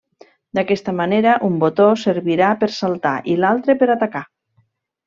D’aquesta manera un botó servirà per saltar i l’altre per atacar.